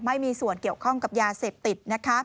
ไม่มีส่วนเกี่ยวข้องกับยาเสพติด